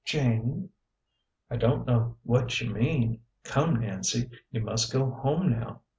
"Jane." " I don't know what you mean. Come, Nancy, you must go home now."